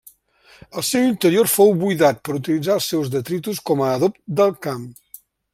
El seu interior fou buidat per utilitzar els seus detritus com a adob del camp.